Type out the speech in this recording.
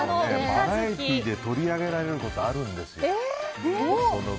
バラエティーで取り上げられることあるんです。